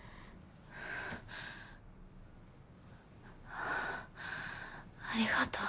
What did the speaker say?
ハァありがとう。